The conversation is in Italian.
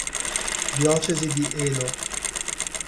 Diocesi di Elo